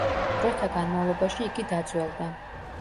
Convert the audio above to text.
დროთა განმავლობაში იგი დაძველდა.